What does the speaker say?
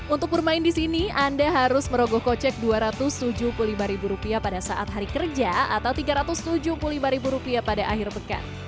untuk bermain di sini anda harus merogoh kocek rp dua ratus tujuh puluh lima pada saat hari kerja atau rp tiga ratus tujuh puluh lima pada akhir pekan